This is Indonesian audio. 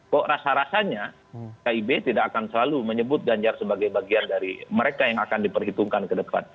kok rasa rasanya kib tidak akan selalu menyebut ganjar sebagai bagian dari mereka yang akan diperhitungkan ke depan